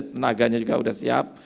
tenaganya juga sudah siap